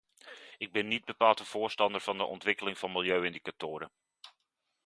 Ik ben niet bepaald een voorstander van de ontwikkeling van milieu-indicatoren.